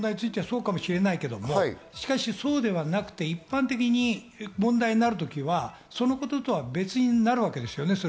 今回の問題についてはそうかもしれないけれど、そうではなくて一般的に問題になる時はそのことは別になるわけですよね。